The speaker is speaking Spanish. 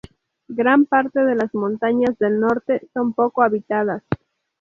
Gran parte de las montañas del norte son poco habitadas.